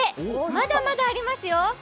まだまだありますよ。